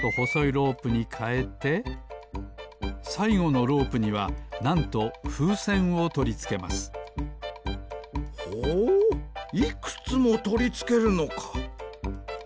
ロープにかえてさいごのロープにはなんとふうせんをとりつけますほういくつもとりつけるのか。